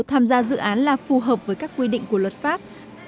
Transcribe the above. tham gia dự án là phù hợp với các quy định của luật pháp